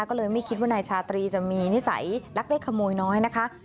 ก็เลยไม่คิดว่านายชาตรีจะมีนิสัยลักเล็กขโมยน้อยนะคะ